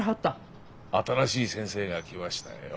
新しい先生が来ましたよ。